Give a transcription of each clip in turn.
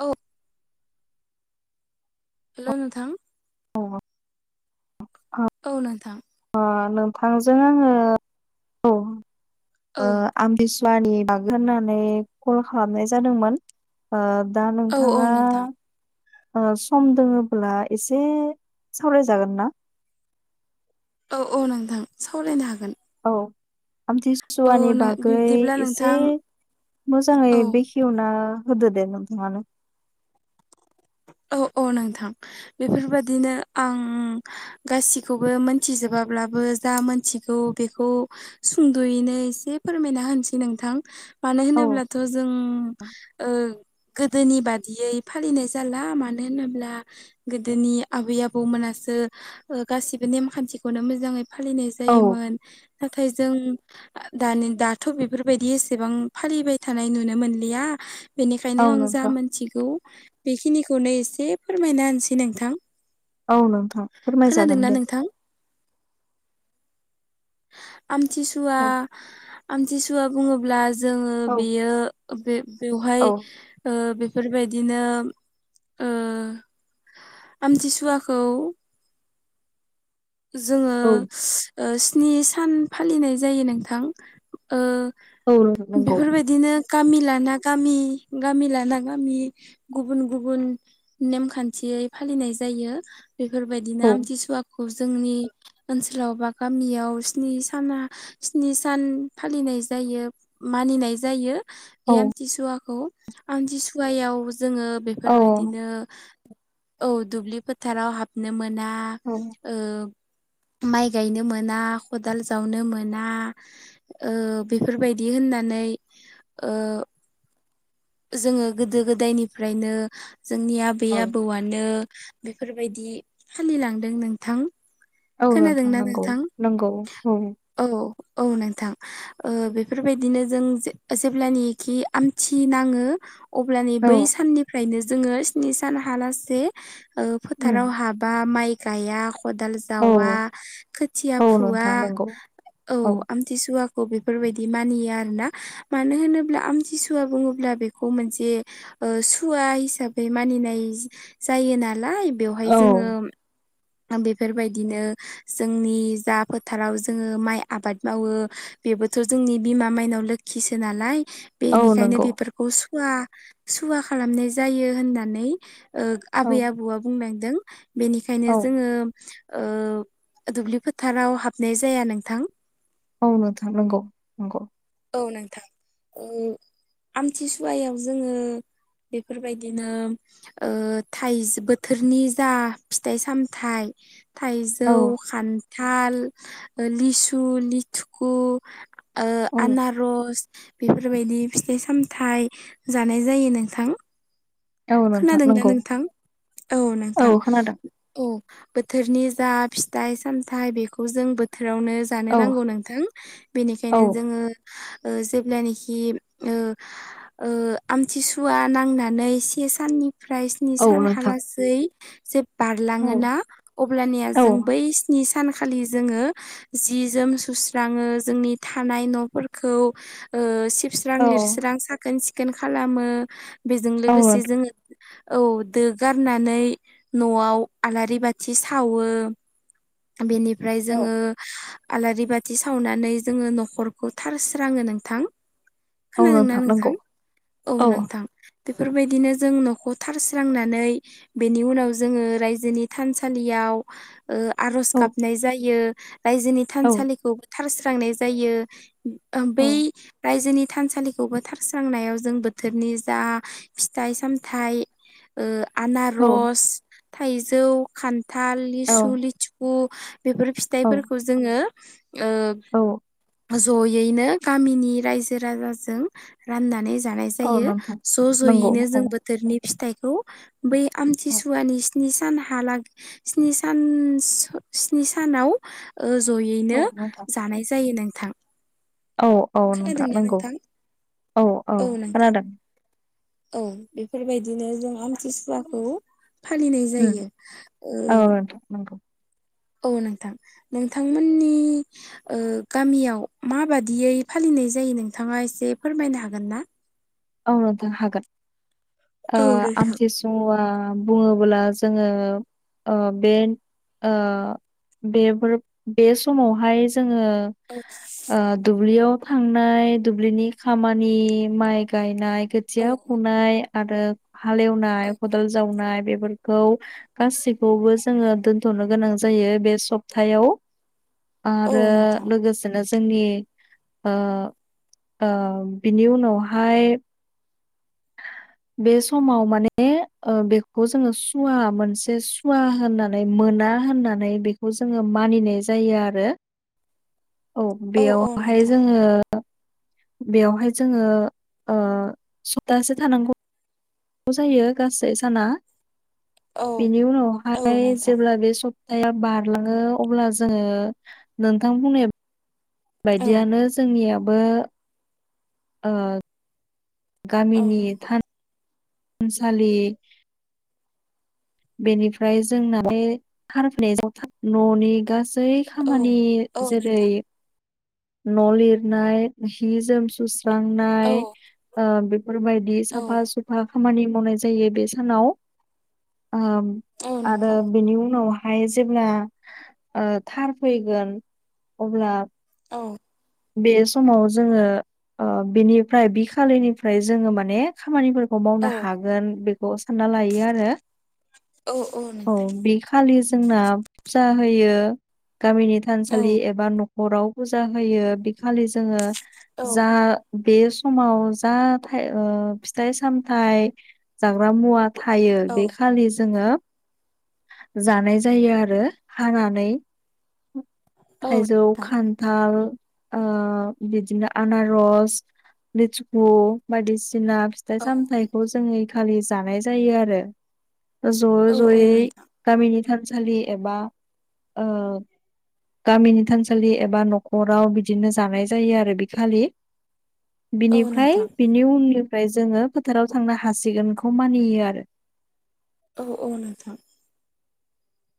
औ हेलौ नोंथां औ औ नोंथां अ नोंथांजों आङो औ ओ औ आमबिसुवानि मागो होननानै कल खालामनाय जादोंमोन दा औ औ नोंथाङा नोंथां सम दोङोब्ला एसे सावरायजागोन ना औ औ नोंथां सावरायनो हागोन औ औ आमथिसुवानि बागै बिब्दिब्ला एसे नोंथां मोजाङै औ बेखि खेवना होदोदे नोंथाङानो औ औ नोंथां बेफोरबादिनो आं गासिखौबो मोनथिजोबाब्लाबो जा मोनथिगौ बेखौ सुंद'यैनो एसे फोरमायना होनोसै नोंथां मानो औ होनोब्लाथ' जों गोदोनि बादियै फालिनाय जाला मानो होनोब्ला गोदोनि आबै आबौमोनासो गासिबो नेमखान्थिखौनो मोजाङै फालिनाय औ जायोमोन नाथाय जों दानि दाथ' बेफोरबायदि एसेबां फालिबाय थानाय नुनो मोनलिया बेनिखायनो औ आं जा नोंथां मोनथिगौ बेखिनिखौनो एसे फोरमायना होनसै नोंथां औ नोंथां फोरमाय खोनादोंना जागोन दे नोंथां आमथिसुवा औ आमथिसुवा बुङोब्ला जोङो औ बेयो बे बेवहाय औ बेफोरबायदिनो आमथिसुवाखौ जोङो औ स्नि सान फालिनाय जायो नोंथां औ नंगौ बेफोरबायदि बिदिनो गामि लाना गामि गामि लाना गामि गुबुन गुबुन नेमखान्थियै फालिनाय जायो बेफोरबायदिनो औ आमथिसुवाखौ जोंनि ओनसोलाव बा गामियाव साना स्नि सान फालिनाय जायो मानिनाय जायो बे औ आमथिसुवाखौ आमथिसुवायाव जोङो बेफोरबायदिनो औ दुब्लि फोथाराव हाबनो मोना औ माइ गायनो मोना खदाल जावनो मोना बेफोरबायदि होननानै जोङो गोदो गोदायनिफ्रायनो जोंनि आ आबै औ आबौआनो बेफोरबायदि फालिलांदों नोंथां औ नोंथां नांगौ नंगौ औ औ नोंथां बेफोरबायदिनो जों जेब्लानखि आमथि नाङो अब्लानि औ बै साननिफ्रायनो जोङो स्नि सान हालासे उम फोथाराव हाबा माइ गाया खदाल औ जावा खोथिया औ फुवा नोंथां नंगौ औ आमथिसुवाखौ बेफोरबायदि मानियो आर ना मानो होनोब्ला आमथिसुवा बुङोब्ला बेखौ मोनसे सुवा हिसाबै मानिनाय जायो नालाय बेवहाय औ जोङो बेफोरबायदिनो जोंनि जा फोथाराव जोङो माइ आबाद मावो बेबोथ' जोंनि बिमा माइनाव लो खिसोनालाय औ बेनिखायनो नंगौ बेफोरखौ सुवा सुवा खालामनाय जायो होननानै औ आबै आबौआ बुंलांदों बेनिखायनो औ जोङो दुब्लि फोथाराव हाबनाय जाया नोंथां मावनो थांनांगौ नंगौ औ नोंथां आमथिसुवायाव जोङो बेफोरबायदिनो थाइ बोथोरनि जा फिथाइ सामथाइ औ थाइजौ खान्थाल लिसु लिथखु औ आनारस बेफोरबायदि फिथाइ सामथाइ जानाय जायो नोंथां। औ नोंथां खोनादों दा नंगौ नोंथां औ नोंथां। औ बोथोरनि जा फिथाइ सामथाइ बेखौ जों बोथोरावनो जानो औ नांगौ नोंथां औ बेनिखायनो जोङो ओ जेब्लानेखि ओ ओ आमथिसुवा नांनानै से साननिफ्राय स्नि औ सान नोंथां हालासै जे औ बारलाङोना अब्लानिया औ जों बै स्नि सानखालि जोङो जि जोम सुस्राङो जोंनि थानाय न'फोरखौ ओ सिबस्रां औ लिरस्रां साखोन सिखोन खालामो बेजों औ लोगोसे नोंथां जोङो औ दो गारनानै न'आव आलारि बाथि सावो बेनिफ्राय औ जोङो आलारि बाथि सावनानै जोङो न'खरखौ थारस्राङो नोंथां। औ खोनादोंना नंगौ नोंथां औ नोंथां बेफोरबायदिनो जों न'खौ थारस्रांनानै बेनि उनाव जोङो रायजोनि थानसालियाव ओ आर'ज औ गाबनाय जायो रायजोनि औ थानसालिखौ थारस्रांनाय जायो औ बै रायजोनि थानसालि खौबो थारस्रांनायाव जों बोथोरनि जा फिथाइ सामथाइ ओ आनारस, थाइजौ, खान्थाल, औ लिसु लिु कु बेफोर औ फिथाइफोरखौ जोङो औ ओ ज'यैनो गामिनि रायजो राजाजों राननानै जानाय औ जायो नोंथां ज' नंगौ ज'यैनो औ जों बोथोरनि फिथाइखौ बै आमथिसुवानि स्नि सान हाला स्नि सान स्नि सानाव ओ औ जयैनो नोंथां जानाय जायो नोंथां। औ औ नोंथां नंगौ औ औ खोनादों। औ बेफोरबायदिनो जों आमथिसुवाखौ फालिनाय उम जायो ओ औ नोंथां नंगौ। औ नोंथां नोंथांमोननि ओ गामियाव माबादियै फालिनाय जायो नोंथाङा एसे फोरमायनो हागोन ना? औ नोंथां हागोन ओ औ नोंथां आमथि मुवा बुङोब्ला जोङो ओ बे ओ बेफोर बे समावहाय जोङो औ ओ दुब्लियाव थांनाय, दुब्लिनि खामानि, माइ गायनाय औ खुथिया फुनाय आरो औ हालेवनाय खदाल जावनाय बेफोरखौ गाससिखौबो जोङो दोनथ'नो गोनां जायो बे सप्थायाव। औ आरो नोंथां लोगोसे नो जोंनि ओ ओ बिनि उनावहाय बे समाव माने ओ बेखौ जोङो सुवा मोनसे सुवा होनना नै मोना होननानै बेखौ जोङो मानिनाय जायो आरो। औ औ बेयावहाय नोंथां जोङो बेयावहाय जोङो ओ सप्तासे थानांगौ जायो गासै साना औ बिनि औ उनावहाय नोंथां जेब्ला बे सप थाया बारलाङो अब्ला जोङो नोंथां बुंनाय औ बायदियानो जोंनियाबो औ गामिनि थानसालि बेनिफ्राय जोंना बे [unintelligible] न'नि गासै औ खामानि औ जेरै नोंथां न' लिरनाय हि जोम सु औ स्रांनाय अ बेफोरबायदि औ साफा सुफा खामानि मावनाय जायो बे सानाव। आ औ आरो नोंथां बिनि उनाव हाय जेब्ला आ थार फैगोन अब्ला औ। बे समाव जोङो ओ बिनिफ्राय बि खालिनिफ्राय जोङो माने खामानिफोरखौ औ मावनो हागोन बेखौ सानना लायो आरो। औ औ। औ नोंथां बे खालि जोंना फुजा होयो गामिनि थानसालि एबा न हराव फुजा होयो बि खालि जोङो औ जा बे समाव जा ओ फिथाइ सामथाय जाग्रा मुवा थायो औ बे खालि जोङो जानाय जायो आरो हानानै। थाइजौ औ खान्थाल। आ बिदिनो आनारस लसकु। बायदिसिना फिथाइ नोंथां सामथाइखौ जोङो खालि जानाय जायो आरो। औ ज' औ ज'यै नोंथां गामिनि थानसालि एबा ओ गामिनि थानसालि एबा न'खराव बिदिनो जानाय जायो आरो बि खालि। औ बिनिफ्राय नोंथां बिनि उननिफ्राय जोङो फोथाराव थांनो हासिगोनखौ मानियो आरो। औ औ नोंथां।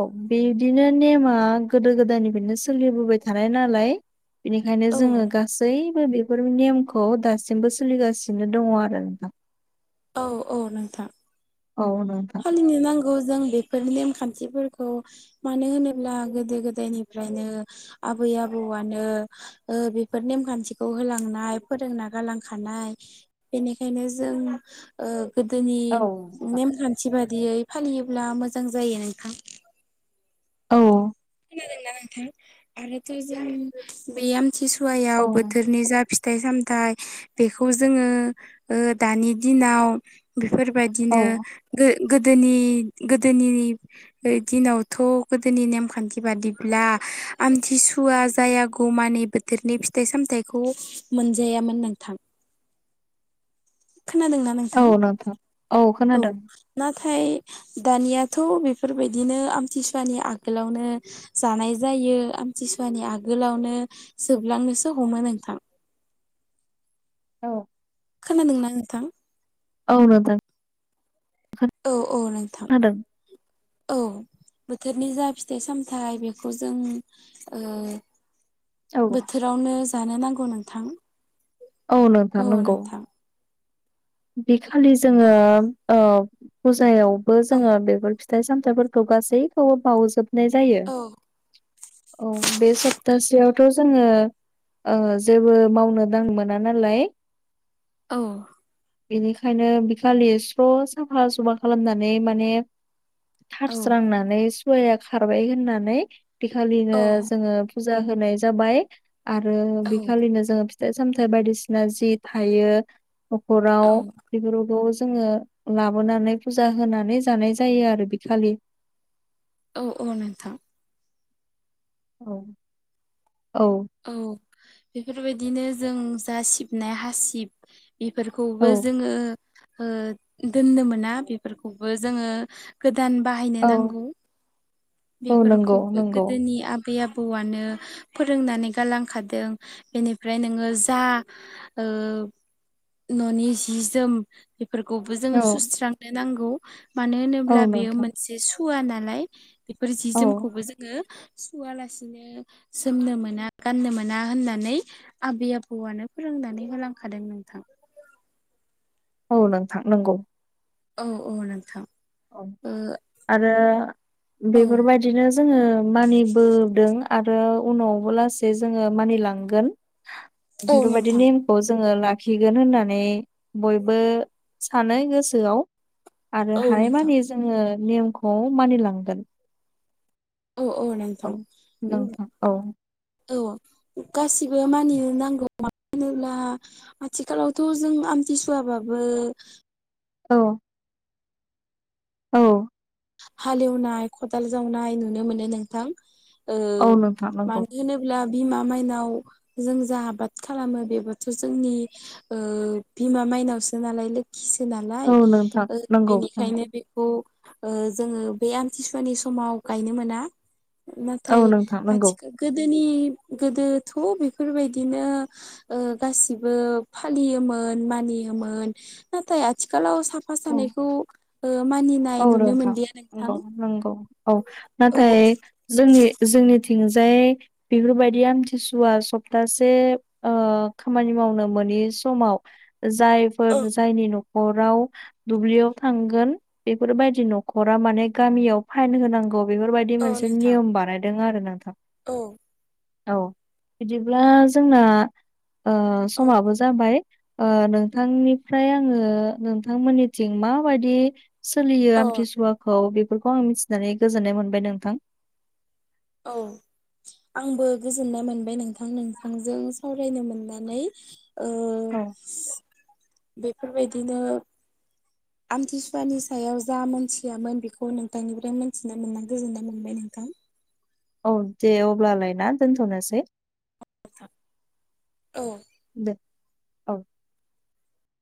औ बिदिनो नेमा गोदो गोदायनिफ्रायनो सोलिबोबाय थानाय नालाय। बेनिखायनो औ जोङो गासैबो बे बेफोरनि नियमखौ दासिमबो सोलिगासिनो दङ आरो दा। औ औ नोंथां। औ नोंथां। सोलिनो नांगौ जों बेफोरनि नेमखान्थिफोरखौ मानो होनोब्ला गोदो गोदायनिफ्रायनो आबै आबौआनो ओ बेफोर नेमखान्थिखौ होलांनाय फोरोंना गालांखानाय बेनिखायनो जों ओ गोदोनि औ नोंथां। नेमखान्थि बादियै फालियोब्ला मोजां जायो नोंथां। औ खोनादों ना नोंथां आरो थ जों बे आमथिसुवायाव बोथोरनि जा फि फिथाइ सामथाइ बेखौ जोङो ओ दानि दिनाव औ बेफोरबायदिनो गो-गोदोनि गोदोनि दिनावथ' गोदोनि नेमखान्थि बादिब्ला आमथिसुवा जायागौमानि बोथोरनि फिथाइ सामथाइखौ मोनजायामोन नोंथां। खोनादों ना औ नोंथां औ खोनादों। नाथाय दानियाथ' बेफोरबायदिनो आमथिसुवानि आगोलावनो जानाय जायो आमथिसुवानि आगोलावनो जोबलांनोसो हमो नोंथां। औ खोनादोंना नोंथां औ नोंथां। औ औ नों खोनादों। औ बोथोरनि जा फिथाइ सामथाइ बेखौ जों ओं औ बोथोरावनो जानो नांगौ नोंथां। औ नोंथां नंगौ। बेखालि जोङो औ ओं फुजायावबो औ जोङो बेफोर फिथाइ फिथाइ सामथाइफोरखौ गासैखौबो बाउजोब जायो औ औ बे सप्तासेयाव थ जोङो ओ जेबो मावनो दांनो मोना नालाय। औ। बेनिखायनो बिखालि स्र' साफा सुफा खालामनानै माने औ थार्स्रांनानै सुवाया खारबाय होननानै बेखालिनो जोङो फुजा होनाय जाबाय आरो औ बेखालिनो जोङो फिथाइ साम थाय बायदिसिना जि थायो नख'राव औ बेफोरखौ जोङो लाबोनानै फुजा होनानै जानाय जायो आरो बिखालि। औ औ नोंथां। औ औ। औ बेफोरबायदिनो जों जा सिबनाय हासिब बेफोरखौबो जोङो ओ दोननो मोना बेफोरखौबो जोङो गोदान बाहायनो औ नांगौ औ नंगौ बेफोरखौबो नंगौ गोदोनि आ बै आबौआनो फोरोंनानै गालांखादों बेनिफ्राय नोङो जा ओं न'नि जि जोम बेफोरखौबो जोङो औ सुस्रांनो नांगौ मानो औ होनोब्ला बेयो नोंथां मोनसे सु वा नालाय बेफोर जि औ जोमखौबो जोङो सुवालासिनो जोमनो मोना गाननो मोना होननानै आबै आबौआनो फोरोंनानै होलांखादों नोंथां। औ नोंथां नंगौ। औ औ नोंथां। ओ आरो औ बेफोरबायदि नो जोङो मानिबोदों आरो उनावबो लासै जोङो मानिलांगोन। [inaudible] बेफोरबायदि नोंथां नेम खौ जोङो लाखिगोन होननानै बयबो सानो गोसोआव आरो औ हाय नोंथां माने जोङो नेमखौ मानिलांगोन। औ औ नोंथां। नोंथां औ औ गासिबो मानिनो नांगौ मानो होनोब्ला आथिखालावथ' जों आमथिसुवाबाबो औ। औ हालेवनाय, खदाल जावनाय, नुनो मोनो नोंथां ओ औ नोंथां नंगौ मानो होनोब्ला अब्ला बिमा मायनाव जों जा आबाद खालामो बेबोथ' जोंनि ओ बिमा मायनावसो नालाय लोखिसो नालाय औ नोंथां नंगौ नंगौ बेनिखायनो बे खौ ओ जोङो बे आमथिसुवानि समाव गायनो मोना। औ नाथाय नोंथां नंगौ आथिखा गोदोनि गोदोथ' बेफोरबायदिनो ओ गासिबो फालियोमोन मानियोमोन नाथाय आथिखालाव साफा औ सानायखौ ओ मानिनाय औ नुनो नोंथां मोनलिया नोंथां नगौ नंगौ औ औ नाथाय जोंनि जोंनिथिंजाय बेफोरबायदि आमथिसुवा सप्तासे ओ खामानि मावनो मोनि समाव जाय औ फोर जायनि न'खराव दुब्लियाव थांगोन बेफोरबायदि न'खरा माने गामियाव फाइन होनांगौ बेफोरबायदि औ मोनसे नोंथां नियम बानाय दों आरो नोंथां औ औ बिदिब्ला जोंना ओ औ समाबो जाबाय ओ नोंथांनिफ्राय आङो नोंथांमोननिथिं माबायदि सोलियो औ आमथिसुवाखौ बेफोरखौ आं मिथिनानै गोजोननाय मोनबाय नोंथां। औ आंबो गोजोननाय मोनबाय नोंथां नोंथांजों सावरायनो मोननानै ओ औ बेफोरबायदिनो आमतसुवानि सायाव जा मोनथियामोन बेखौ नोंथांनिफ्राय मोनथिनो मोननानै गोजोननाय मोनबाय नोंथां। औ दे अब्लालाय ना दोनथ'नोसै? औ दे औ।